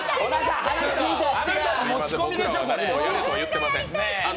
やれとは言ってません。